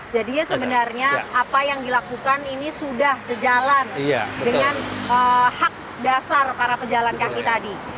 jadinya sebenarnya apa yang dilakukan ini sudah sejalan dengan hak dasar para pejalan kaki tadi